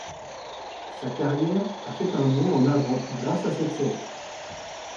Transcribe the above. Sa carrière a fait un bond en avant grâce à cette série.